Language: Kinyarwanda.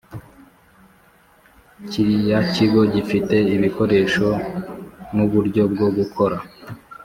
kiriya kigo gifite ibikoresho nuburyo bwo gukora